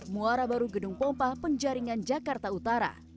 muara baru gedung pompa penjaringan jakarta utara